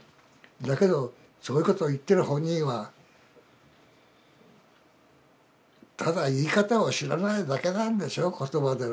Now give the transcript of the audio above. だけどそういうこと言ってる本人はただ言い方を知らないだけなんでしょ言葉での。